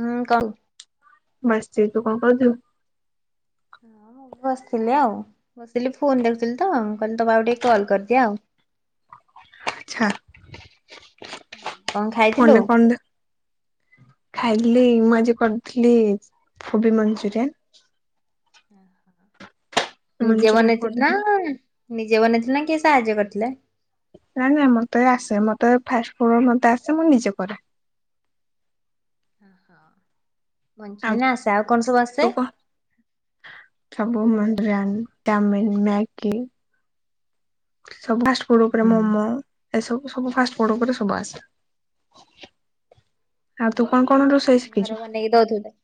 ହୁଁ, କହୁ ବସଚି। ତୁ କଣ କରୁଥିଲୁ? ହଁ, ବସିଥିଲି ଆଉ। ବସିଥିଲି ଫୋନ ଦେଖୁଥିଲି ତ, କହିଲି ତମ ଆକୁ ଟିକେ କଲ୍ କରିଦିଏ ଆଉ। ଆଚ୍ଛା। କଣ ଖାଇ ଫୋନରେ କଣଦେ ଖାଇଲି, ମୁଁ ଆଜି କରିଥିଲି, କୁବି ମଞ୍ଚୁରିଆନ। ନିଜେ ମଞ୍ଚୁରିଆନ ବନେଇଥିଲ ନା, କରିଦେଲି। ନିଜେ ବନେଇଥିଲ ନା, କିଏ ସାହାଯ୍ୟ କରିଥିଲେ? ନାଇଁ ନାଇଁ, ମତେ ଆସେ। ମତେ ଫାଷ୍ଟ ଫୁଡ ମତେ ଆସେ, ମୁଁ ନିଜେ କରେ। ଆଉ ମଞ୍ଚୁରିଆନା ଆସେ। ଆଉ କଣ ସବୁ ତୁ ଆସେ? କହ? ସବୁ [unintelligible] ଚାଓମିନ, ମେଗି। ସବୁ ଫାଷ୍ଟ ଫୁଡ ଉପରେ ହୁଁ ମୋମୋ। ଏସବୁ ସବୁ ଫାଷ୍ଟ ଫୁଡ ଉପରେ ସବୁ ଆସେ। ଆଉ ତୁ କଣ କଣ ରୋଷ ଘରେ ବନେଇକି ଦଉଥିବୁ [unintelligible]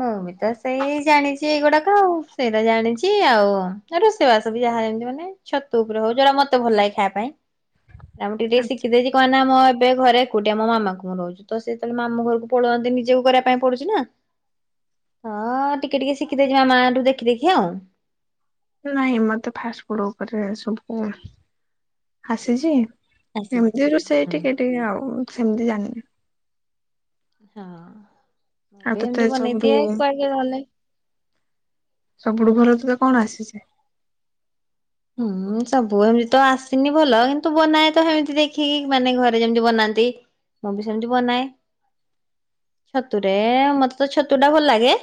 ମୁଁ ବି ତ ସେଇ ଜାଣିଛି ଏଇଗୁଡାକ ଆଉ। ସେଇଟା ଜାଣିଛି ଆଉ। ରୋଷେଇବାସ ବି ଯାହା ଯେମିତି ମାନେ ଛତୁ ଉପରେ ହଉ ଯଉଟା ମତେ ଭଲ ଲାଗେ ଖାଇବା ପାଇଁ। ନା ମୁଁ ଟିକେ ଟିକେ ଶିଖିଦେଇଛି କହ ନା ମୋ ଏବେ ଘରେ କଉଠି ମୋ ମାମାକୁ ମୁଁ ରହୁଛି ତ ସେତେବେଳେ ମାମୁ ଘରକୁ ପଳାନ୍ତି। ନିଜକୁ କରିବା ପାଇଁ ପଡୁଛି ନା। ହଁ ଟିକେ ଟିକେ ଶିଖିଦେଇଯିବା ମାଆଠୁ ଦେଖି ଦେଖି ଆଉ। ନାଇଁ ମତେ ଫାଷ୍ଟ ଫୁଡ ଉପରେ ସବୁ ଆସିଛି। ଆସିଛି। ଏମିତି ହୁଁ ରୋଷେଇ ଟିକେ ଟିକେ ଆଉ ସେମିତି ଜାଣିନି। ହଁ ମୁ ଆଉ ବି ତୋତେ ଏମତି ସବୁଠୁ ବନେଇଦିଏ କୁଆଡେ କିଏ ଗଲେ। ସବୁଠୁ ଭଲ ତତେ କଣ ଆସିଛେ? ହୁଁ ସବୁ ଏମତି ତ ଆସିନି ଭଲ କିନ୍ତୁ ବନାଏ ତ ହେମତି ଦେଖିକି ମାନେ ଘରେ ଯେମିତି ବନାନ୍ତି। ମୁଁ ସେମିତି ଵନାଏ। ଛତୁରେ ମତେ ତ ଛତୁଟା ଭଲ ଲାଗେ।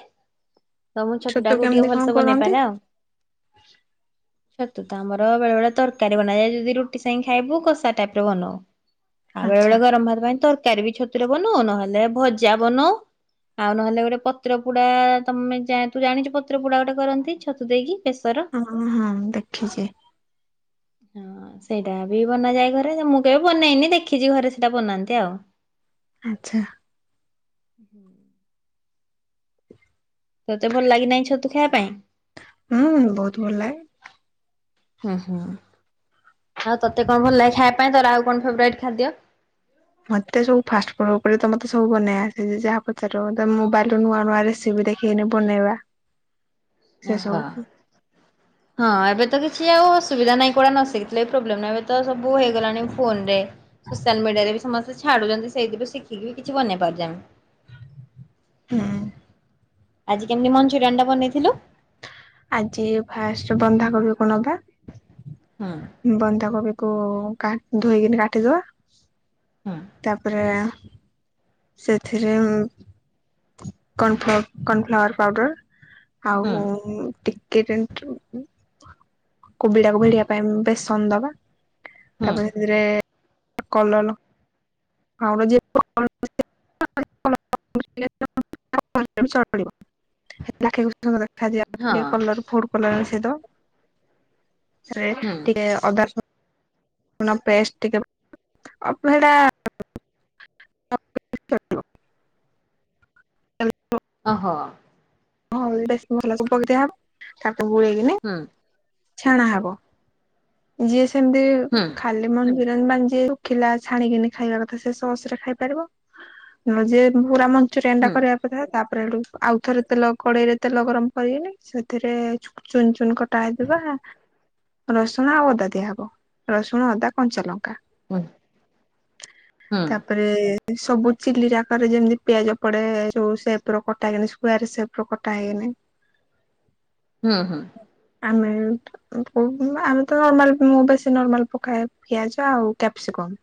ତମ ଛତୁ ଛତୁଟାକୁ କେମିତି ଟିକେ କଣ ଭଲସେ ବନେଇ କରନ୍ତି? ପାରେ ଆଉ। ଛତୁ ତ ଆମର ବେଳେ ବେଳେ ତରକାରୀ ବନାଯାଏ ଯଦି ରୁଟି ସାଙ୍ଗ ଖାଇବୁ କଷା ଟାଇପର ବନଉ। ଆଉ ବେଳେ ଆଚ୍ଛା ବେଳେ ଗରମ ଭାତ ପାଇଁ ତରକାରୀ ବି ଛତୁରେ ବନଉ ନହେଲେ ଭଜା ବନଉ। ଆଉ ନହେଲେ ଗୋଟେ ପତ୍ର ପୋଡା ତମେ ଯା ତୁ ଜାଣିଛୁ ପତ୍ର ପୋଡା ଗୋଟେ କରନ୍ତି ଛତୁ ଦେଇକି ବେଶର ହଁ ହଁ ଦେଖିଛି। ହଁ ସେଇଟା ବି ବନାଯାଏ ଘରେ ମୁଁ କେବେ ବନେଇନି ଦେଖିଛି ଘରେ ସେଇଟା ବନାନ୍ତି ଆଉ। ଆଚ୍ଛା। ହୁଁ। ତତେ ଭଲ ଲାଗି ନାହିଁ ଛତୁ ଖାଇବା ପାଇଁ? ହୁଁ ବହୁତ ଭଲ ଲାଗେ। ହୁଁ ହୁଁ। ଆଉ ତତେ କଣ ଭଲ ଲାଗ ଖାଇବା ପାଇଁ ତୋର ଆଉ କଣ ଫେବରାଇଟ ଖାଦ୍ୟ? ମତେ ସବୁ ଫାଷ୍ଟ ଫୁଡ୍ ଉପରେ ତ ମତେ ସବୁ ବନେଇ ଆସେ ଯେ ଯାହା ପଚାରିବ ମୋବାଇଲ ରୁ ନୂଆ ନୂଆ ରେସିପି ଦେଖି କେନି ବନେଇବା? ସେ ସବୁ ଓହୋ। [inaudible] ହଁ ଏବେ ତ କିଛି ଆଉ ଅସୁବିଧା ନାହିଁ କୁଡା ନସିକି ଥିଲେ ବି ପ୍ରୋବ୍ଲେମ ନାହିଁ ଏବେ ତ ସବୁ ହେଇଗଲାଣି ଫୋନରେ ସୋସିଆଲ୍ ମିଡ଼ିଆରେ ବି ସମସ୍ତେ ଛାଡ଼ୁଛନ୍ତି ସେଇଥିରୁ ଶିଖିକି ବି କିଛି ବନେଇ ପାରୁଛେ ଆମେ ହୁଁ। ଆଜି କେମିତି ମଞ୍ଚୁରିଆନ୍ ଟା ବନେଇଥିଲୁ? ଆଜି ଫାଷ୍ଟ ବନ୍ଧା କବି କଣବା ହଁ। ବନ୍ଧାକୋବି କା ଧୋଇକିନ କାଟିଦବା। ହୁଁ। ତାପରେ ସେଥିରେ କର୍ଣ୍ଣଫ୍ଲୋର କର୍ଣ୍ଣଫ୍ଲାୱାର ପାଉଡର। ହୁଁ ଆଉ ଟିକ [unintelligible] କୋବିଡାକୁ ଭିଡିବା ପାଇଁ ବେସନ ଦବା। ହୁଁ ତାପରେ ସେଥିରେ କଲଲ ତାଙ୍କର ଯିଏ [unintelligible] [unintelligible] [unintelligible] ହଁ ସେଥିରେ ହୁଁ ଟିକେ ଅଦା ରସ [unintelligible] ପେଷ୍ଟ ଟିକେ ହେଟା [unintelligible] ହାଲୋ। ଅହ। ହଁ [unintelligible] ତାକୁ ଗୁଳେଇକିନି ହୁଁ। ଛାଣା ହବ। ଯିଏ ସେମତି ହୁଁ। ଖାଲି ମନଚୁରିଆନ ମାନ୍ ଯିଏ ଶୁଖିଲା ଛାନିକି ଖାଇବା କଥା ସେ ସସରେ ଖାଇ ପାରିବ। ଯେ ପୁରା ହୁଁ ମଞ୍ଚୁରିଆନଟା କରିବା ପଥା। ତାପରେ ହେଟୁ ଆଉଥରେ ତେଲ କଡେଇରେ ତେଲ ଗରମ କରିଇନି ସେଥିରେ ଚୁନ ଚୁନ କଟା ହେଇଥିବା ରସୁଣ, ଆଉ ଅଦା ଦିଆହବ। ରସୁଣ, ଅଦା, କଞ୍ଚା ଲ ଙ୍କା। ହୁଁ ହୁଁ ତାପରେ ସବୁ ଚିଲି ରେ ଆକାରରେ ଯେମିତି ପିଆଜ ପଡେ ଯୋଉ ସେପ୍ କଟା ଯେମିତି ସ୍କୋୟାର ସେପ୍ ଲୋ କଟା ହେଇନି। ହୁଁ ହୁଁ। ଆମେ ଠ କୋଉଥୁଲୁପା ଆମେ ତ ନର୍ମାଲ ମୁଁ ବେଶୀ ନର୍ମାଲ ପକାଏ ପିଆଜ ଆଉ କ୍ୟାପସିକମ୍।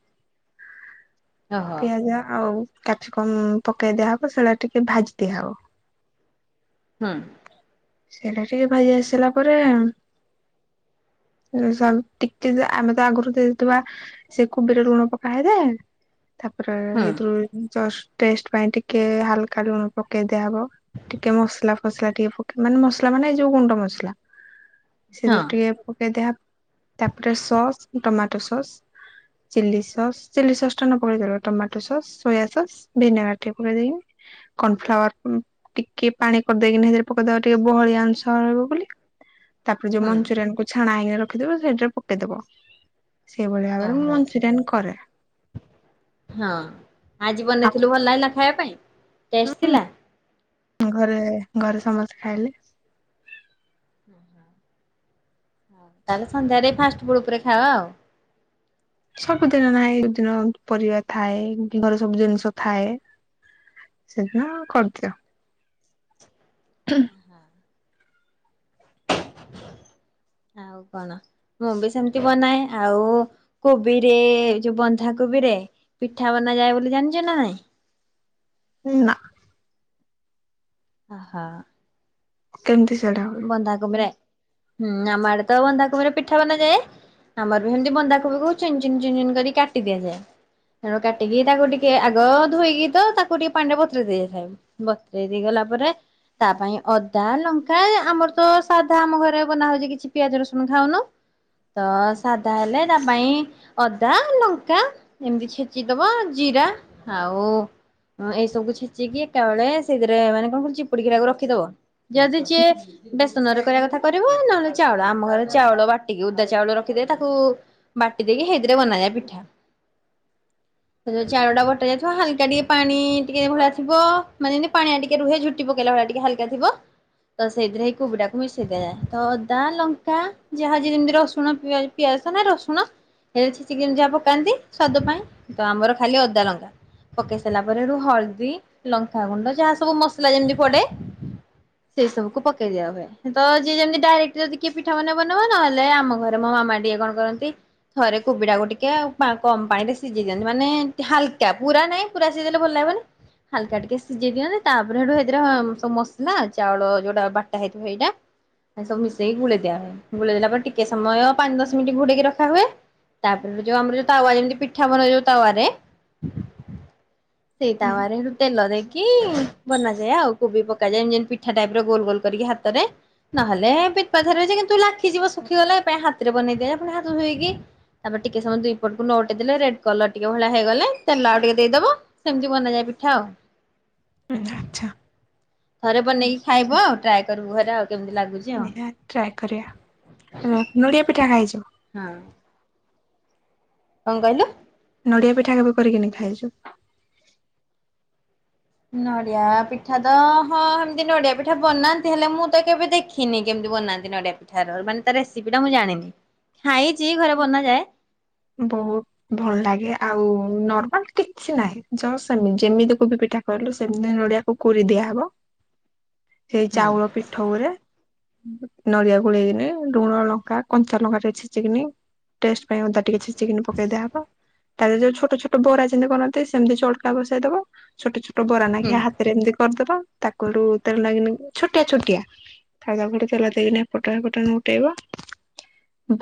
ହଁ। ଓହୋ ପିଆଜ ଆଉ କ୍ୟାପ୍ସି କମ ପକେଇ ଦିଆହବ, ସେଇଳା ଟିକେ ଭାଜି ଦିଆହବ। ହଁ। ସେଇଟା ଟିକେ ଭାଜି ଆସିଲା ପରେ ସ୍ୱାମ ଟିକେ ଆମେ ତ ଆଗରୁ ଦେଇଦୁଆ ସେ କୁବିରେ ଲୁଣ ପକାଏ ଦେ। ତାପରେ ହୁଁ ହେଇଥୁରୁ ଜଷ୍ଟ ଟେଷ୍ଟ ପାଇଁ ଟିକେ ହାଲକା ଲୁଣ ପକେଇ ଦିଆହବ। ଟିକେ ମସଲା ଫସଲା ଟିକେ ପକେ ମାନେ ମସଲା ମାନେ ଏଇ ଯୋଉ ଗୁଣ୍ଡ ମସଲା। ସେଦିରୁ ଟିକେ ହଁ ପକେଇଦିଆହାବ। ତାପରେ sauce tomato sauce chilli sauce, chilli sauce ଟା ନ ପକେଇ ପାରିବ tomato sauce, soya sauce vinegar ଟିକେ ପକେଇଦେଇକି କର୍ନଫ୍ଲାୱାର ଉନୁ ଟିକେ ପାଣି କଦେଇକିନା ହେଥିରେ ପକେଇଦବା ଟିକେ ବହଳିଆ ଅଂଶ ରହିବ ବୋଲି। ତାପରେ ଯୋଉ ହୁଁ ମଞ୍ଚୁରିଆନ କୁ ଛାଣା ହେଇକିନା ରଖିଥିବୁ ସେଇଟାରେ ପକେଇଦବ। ସେଇଭଳି ଭାବରେ ମୁଁ ଓହୋ ମନଞ୍ଚୁରିଆନ କରେ। ହଁ ଆଜି ଆଉ ବନେଇଥିଲୁ ଭଲ ଲାଗିଲା ଖାଇବା ପାଇଁ ଟେଷ୍ଟ ଥିଲା? ଘରେ ଘରେ ସମସ୍ତେ ଖାଇଲେ ମଶା ତାଲେ ସନ୍ଧ୍ୟାରେ ଫାଷ୍ଟ ଫୁଡ ଉପରେ ଖାଇବା ଆଉ। ସବୁଦିନ ନାଇଁ ଦିନ ପରିବା ଥାଏ, ଘରେ ସବୁ ଜିନିଷ ଥାଏ ସେଦିନ କରଦିଅ। ହାଁ। ଆଉ କଣ? ମୁଁ ବି ସେମତି ବନାଏ। ଆଉ କୋବିରେ ଯୋଉ ବନ୍ଧା କୋବିରେ ପିଠା ବନା ଯାଏ ବୋଲି ଜାଣିଚ ନା ନାଇଁ। ଉଁ ନା। ଅହ। କେମତି ସେଡା? ବନ୍ଧାକବ ରେ। ହୁଁ ଆମ ଆଡେ ତ ବନ୍ଧାକୋବିରେ ପିଠା ବନାଯାଏ। ଆମରଭେଣ୍ଡି ବନ୍ଦାକୋବିକୁ ଚିିନଚିନ୍ ଚିନ କରିକି କାଟି ଦିଆଯାଏ। ତ କାଟିକି ତାକୁ ଟିକେ ଆଗ ଧୋଇକି ତ ତାକୁ ଟିକେ ପାଣି ରେ ବତୁରେଇ ଦିଆ ଯାଇଥାଏ। ବତୁରେଇ ଦେଇଗଲା ପରେ ତା ପାଇଁ ଅଦା, ଲ ଙ୍କା। ଆମର ତ ସାଧା ଆମ ଘରେ ବନାହୋଉଚି କିଛି ପିଆଜ ରସୁଣ ଖାଉନୁ। ତ ସାଧା ହେଲେ ତା ପାଇଁ ଅଦା ଲଙ୍କା। ଏମିତି ଛେଚିଦବ ଜିରା ଆଉ ହଁ ଏଇ ସବୁ ଛେଚିକି ଏକାବେଳେ ସେଇଥିରେ ମାନେ କଣ କରୁ ଚିପୁଡିିକିତାକୁ ରଖିଦବ ଯଦି ଯେ ବେସନରେ କରିବା କଥା କରିବ ନହେଲେ ଚାଉଳ ଆମ ଘରେ ଚାଉଳ ବାଟିକି ଓଦା ଚାଉଳ ରଖିଦ ତାକୁ ବାଟି ଦେଇ କି ହେଇଦ୍ରେ ବାନଯାଏ ପୀଠା। ସେ ଚାଉଳ ଟା ବଟା ଯାଇଥିବ ହାଲକା ଟିକେ ପାଣି ଟିକେ ଭଳିଆ ଥିବ ମାନେ ପାଣିଆ ଟିକେ ରୁହେଝୁ ଝୋଟି ପକେଇବା ଭଳି ଟିକେ ହାଲକା ଥିବ ତ ସେଇଥିରେ ହେଇ କୋବିଟାକୁ ମିଶାଇ ଦିଆଯାଏ ତ ଅଦା ଲଙ୍କା ଯାହା ଯେମିତି ରସୁଣ ପିଆ ପିଆଜ ତ ନାଇ ରସୁଣ ହେଲେ ଛେଚିକି ଏମତି ଯାହା ପକାନ୍ତି ସ୍ଵାଦ ପାଇଁ ତ ଆମର ଖାଲି ଅଦା ଲଙ୍କା। ପକେଇ ସାରିଲା ପରେରୁ ହଳଦୀ ଲଙ୍କାଗୁଣ୍ଡ ଯାହା ସବୁ ମସଲା ଯେମିତି ପଡ଼େ। ସେଇ ସବୁ ପକେଇ ଦିଆ ହୁଏ ତ ଯିଏ ଯେମିତି ଡାଇରେକ୍ଟ ଯଦି କିଏ ପିଠା ମେ ବନବା ନହେଲେ ଆମ ଘରେ ମୋ ମାମା ଟିକେ କଣ କରନ୍ତି ଥରେ କୋବି ଡ଼ାକୁ ଟିକେ ଆଉ ଉ କମ ପାଣି ରେ ସିଝେଇ ଦିଅନ୍ତି ମାନେ ହାଲକା ପୁରା ନାଇଁ। ପୁରା ସିଝିଲେ ଭଲ ଲାଗିବନି ହାଲକା ଟିକେ ସିଝେଇ ଦିଅନ୍ତି ତାପରେ ହେଠୁ ହେଇଥିରେ ସବୁ ମସଲା ଚାଉଳ ଯୋଉଟା ବାଟା ହେଇଥିବ ହେଇଟା ଏ ସବୁ ମିଶେଇକି ଗୁଳେଇ ଦିଆ ହୁଏ ଗୁଳେଇ ଦେଲା ପରେ ଟିକେ ସମୟ ପାଞ୍ଚ ଦଶ ମିନିଟ ଘୋଡ଼େଇକି ରଖା ହୁଏ। ତାପରେ ଯୋଉ ଆମର ଯୋଉ ତାୱା ଯେମିତି ପିଠା ବନେ ଯୋଉ ତାୱାରେ ସେଇ ତାୱାରେ ହେଠୁ ତେଲ ଦେ କି ବନାଯାଏ ଆଉ କୋବି ପକାଯାଏ ଜେନ୍ତି ପିଠା ଟାଇପର ଗୋଲ ଗୋଲ କରିକି ହାତରେ। ନହେଲେ ପିପାଧାରେ କିନ୍ତୁ ଲାଖିଯିବ ଶୁଖିଗଲା ଏ ପାଇଁ ହାତରେ ବନେଇଦି ପୁଣି ହାତ ଧୋଇହେଇକି ତାପରେ ଟିକେ ସମୟ ଦୁଇପଟକୁ ନଉଟେଇ ଦେଲେ ରେଡ୍ କଲର ଟିକେ ଭଳିଆ ହେଇଗଲେ ତେଲ ଆଉ ଟିକେ ଦେଇଦବ। ସେମିତି ବନାଯାଏ ପିଠା ଆଉ ହୁଁ ଆଚ୍ଛା ଥରେ ବନେଇକି ଖାଇବ ଆଉ ଟ୍ରାଏ କରିବୁ ଘରେ ଆଉ କେମିତି ଲାଗୁଛି? ଆଉ ଆ ଟ୍ରାଏ କରିବା ନ ନଡ଼ିଆ ପିଠା ଖାଇଛ? ହଁ। କଣ କହିଲୁ? ନଡ଼ିଆ ପିଠା କେବେ କରିକିନି ଖାଇଚ? ନଡ଼ିଆ ପିଠା ତ ହଁ ହେମିତି ନଡ଼ିଆ ପିଠା ବନାନ୍ତି ହେଲେ ମୁଁ ତ କେବେ ଦେଖି ଖିନି କେମିତି ବନାନ୍ତି ନଡ଼ିଆ ପିଠାର ମାନେ ତା ରେସିପି ଟା ମୁଁ ଜାଣିନି ଖାଇଛି ଘରେ ବନାଯାଏ। ବହୁତ ଭଲ ଲାଗେ ଆଉ ନର୍ମାଲ କିଛି ନାହିଁ ଜସ ସେମିତି ଯେମିତି କୋବି ପିଠା। କହିଲୁ ସେମିତି ନଡ଼ିଆକୁ କୋରି ଦିଆହବ ସେଇ ହୁଁ ଚାଉଳ ପିଠଉରେ ନଡ଼ିଆ ଗୋଳେଇକିନି ଲୁଣ ଲଙ୍କା କଞ୍ଚା ଲଙ୍କା ଟିକେ ଛେଚିକିନି ଟେଷ୍ଟ ପାଇଁ ଅଦା ଟିକେ ଛେଚିକିନୀ ପକେଇ ଦିଆହବ। ତାଲେ ଯୋଉ ଛୋଟ ଛୋଟ ବରା ଯେମିତି କରନ୍ତି ସେମିତି ଚଟକା ବସାଇ ଦବ ଛୋଟ ଛୋଟ ବରା ହୁଁ ନାଖିଆ ହା ରେ ଏମିତି କରିଦବ ତାକୁଲୁ ତେଲ ଲାଗନି ଛୋଟିଆ ଛୋଟିଆ ଖାଇବା ଗୋଟେ ତେଲ ଦେଇକିନା ଫୁଟଣ ଫୁଟଣ ଫୁଟେଇବ।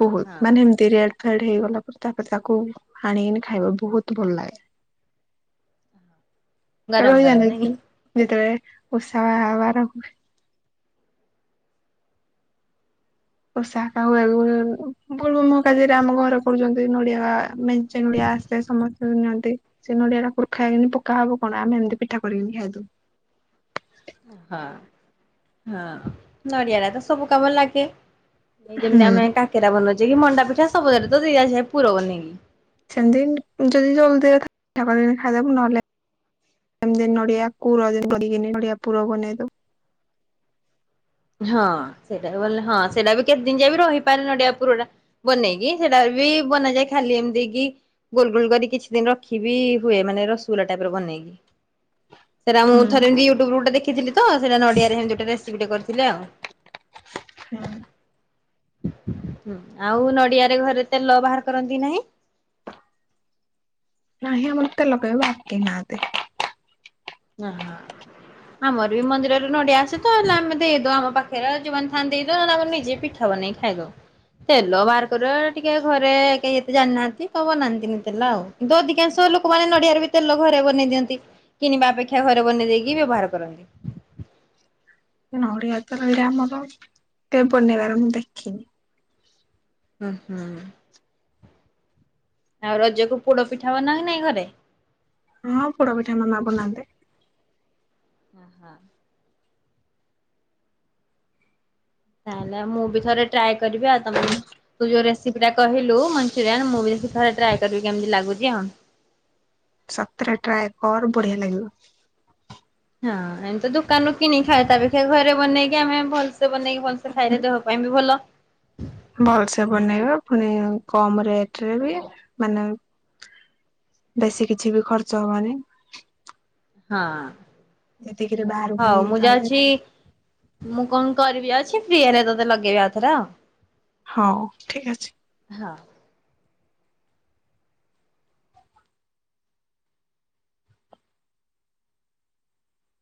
ବହୁତ ହଁ ମାନେ ଏମିତି ରେଡ଼୍ ଫେଡ଼୍ ହେଇଗଲା ପରେ ତାପରେ ତାକୁ ହାଣିକିନି ଖାଇବ ବହୁତ ଭଲ ଲାଗେ। ଗରମ ରହିଯାଣି ଗରମ ଏକ ନାଇଁ ଦିନ ଯେତେବେଳେ ଓଷା ବାର ହୁଏ [unintelligible] ଆମ ଘର କରୁଛନ୍ତି ନଡ଼ିଆ ମେଞ୍ଚେ ନଡ଼ିଆ ଆସ ସେ ସମସ୍ତେଙ୍କୁ ନିଅନ୍ତି ସେ ନଡ଼ିଆଟା ଖୁର୍ଖା ହେଇକି ପୋକା ହବ କଣ ଆମେ ଏମିତି ପିଠା କରିକିଣି ଖାଇଦବୁ। ହଁ ହଁ ନଡ଼ିଆରା ତ ସବୁ କାମରେ ଲାଗେ। ଏଇ ଯେମିତି ହୁଁ ଆମେ କାକେରା ବନଉଛେ କି ମଣ୍ଡା ପିଠା ସବୁଦରେ ତ ସେୟା ସେୟା ପୁର ବନେଇକି। ସେମିତି ଯଦି ଜଲଦିି ପିଠା କରିକିଣି ଖାଇଦବୁ ନହେଲେ ସେମିତି ନଡ଼ିଆ କୁର ଯେମିତି କରିକିଣି ନଡ଼ିଆ ପୁର ବନେଇଦଉ। ହଁ ସେଇଟା ବଲେ ହଁ ସେଇଟା ବି କେତେ ଦିନ ଯାଏ ବି ରହିପାରେ ନଡ଼ିଆ ପୁରଟା। ବନେଇକି ସେଟାରେ ବି ବନାଯାଏ ଖାଲି ଏମିତିକି ଗୋଲ ଗୋଲ କରି କିଛି ଦିନ ରଖିବି ହୁଏ ମାନେ ରସଗୁଲା ଟାଇପର ବନେଇକି। ସେଟା ମୁଁ ହୁଁ ଥରେ ଏମତି ୟୁଟୁବ ରୁ ଗଟେ ଦେଖିଥିଲି ତ ସେଟା ନଡିଆରେ ହେମତି ଗୋଟେ ରେସିପି ଟେ କରିି ଥିଲାଉ ହଁ ଆଉ ନଡ଼ିଆରେ ଘରେ ତେଲ ବାହାର କରନ୍ତି ନାହିଁ। ନାହିଁ ଆମ ତେଲ କେବେ ଭାଟି ନାହାନ୍ତି। ହଁ। ଆମର ବି ମନ୍ଦିରରୁ ନଡ଼ିଆ ଆସେ ତ ହେଲେ ଆମେ ଦେଇଦଉ ଆମ ପାଖରେ ଯଉମାନେ ଥାନ୍ତି ଦେଇଦଉ ନ ନିଜେ ପିଠା ଠା ବନେଇକି ଖାଇଦଉ। ତେଲ ବାହାର କରିବା ଟିକେ ଘରେ କେହି ଏତେ ଜାଣିନାହାନ୍ତି ତ ବନାନ୍ତିନି ତେଲ ଆଉ। ଦ ଅଧିକାଂଶ ଲୋକମାନେ ନଡ଼ିଆରେ ବି ତେଲ ଘରେ ବନେଇ ଦିଅନ୍ତି କିଣିବା ଅପେ କ୍ଷା ଘରେ ବନେଇ ଦେଇକି ବ୍ୟବହାର କରନ୍ତି। ନଡ଼ିଆ ତ ରହିରା ଆମର କେ ବନେଇବାର ମୁଁ ଦେଖିନି। ଉଁ ହୁଁ। ଆଉ ରଜକୁ ପୋଡ ପିଠା ବ ନାହିଁ ନାଇଁ ଘରେ। ହଁ ପୋଡ ପିଠା ମା ବନାନ୍ତି। ହଁ। ନାଇଲେ ମୁଁ ବି ଥରେ ଟ୍ରାଏ କରିବି ଆଉ ତମେ ତୁ ଯୋଉ ରେସିପି ଟା କହିଲୁ ମଞ୍ଚୁରିଆନ୍ ମୁଁ ବି ଦେଖି ଥରେ ଟ୍ରାଏ କରିବି କେମିତି ଲାଗୁଛି ଆଉ। ସତରେ ଟ୍ରାଏ କର ବଢିଆ ଲାଗିବ। ହଁ ଏମିତି ଦୋକାନରୁୁ କିଣି ଖା ତାପେକ୍ଷା ଘରେ ବନେଇକି ଆମେ ଭଲସେ ବନେଇକି କଣ ସେ ଥାଇରେ ଦେହ ପାଇଁ ବି ଭଲ। ଭଲସେ ବନେଇବା ପୁଣି କମ ରେଟ ରେ ବି ମାନେ ବେଶୀ କିଛି ବି ଖର୍ଚ୍ଚ ହବନି। ହଁ। ଏତିକିିରେ ବାହାରୁକୁ ହଉ ମୁଁ କାଳ ଯାଉଛି ଯେ ମୁଁ କଣ କରିବି ଅଛି ଫ୍ରି ହେଲେ ତୋତେ ଲଗେଇବି ଆଉ ଥରେ ପରା। ହଉ ଠିକ୍ ଅଛି। ହଁ।